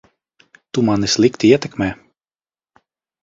Tu mani slikti ietekmē.